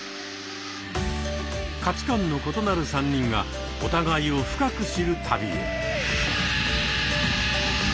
価値観の異なる３人がお互いを深く知る旅へ。